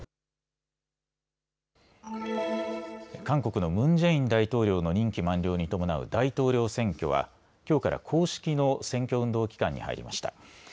韓国のムン・ジェイン大統領の任期満了に伴う大統領選挙は、きょうから公式の選挙運動期間に入りました。